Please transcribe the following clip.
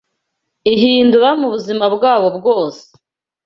ihindura mu buzima bwabo bwose